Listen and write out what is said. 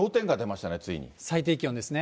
最低気温ですね。